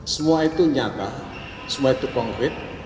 semua itu nyata semua itu konkret